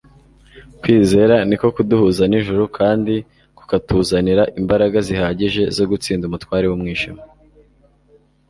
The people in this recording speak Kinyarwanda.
Kwizera niko kuduhuza n'ijuru kandi kukatuzanira imbaraga zihagije zo gutsinda umutware w'umwijima.